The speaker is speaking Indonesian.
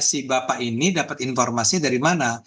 si bapak ini dapat informasi dari mana